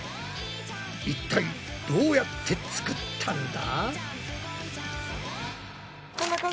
いったいどうやって作ったんだ？